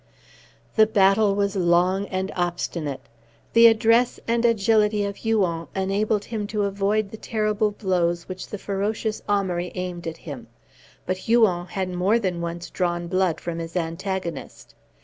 The battle was long and obstinate. The address and agility of Huon enabled him to avoid the terrible blows which the ferocious Amaury aimed at him. But Huon had more than once drawn blood from his antagonist.